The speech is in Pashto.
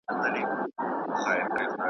یا په ظلم یا انصاف به ختمېدلې .